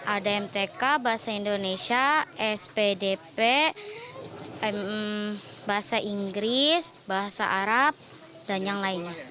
ada mtk bahasa indonesia spdp bahasa inggris bahasa arab dan yang lainnya